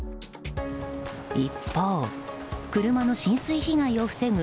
一方、車の浸水被害を防ぐ